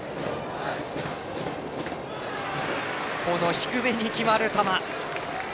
低めに決まる球。